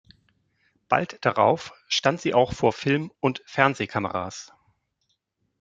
Bald darauf stand sie auch vor Film- und Fernsehkameras.